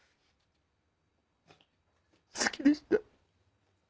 好きでした。